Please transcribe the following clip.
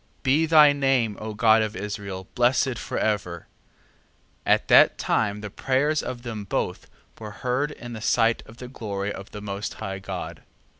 3:23. Be thy name, O God of Israel, blessed for ever, 3:24. At that time the prayers of them both were heard in the sight of the glory of the most high God: 3:25.